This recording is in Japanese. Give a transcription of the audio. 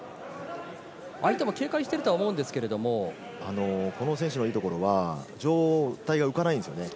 相手も警戒しているとこの選手のいいところは、上体が浮かないんですよね。